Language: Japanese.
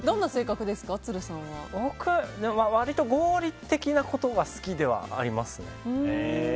僕、割と合理的なことが好きではありますね。